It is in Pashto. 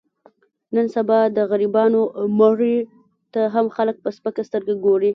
نن سبا د غریبانو مړي ته هم خلک په سپکه سترګه ګوري.